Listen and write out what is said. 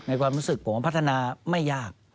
ความรู้สึกผมพัฒนาไม่ยาก